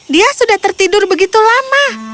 dia sudah tertidur begitu lama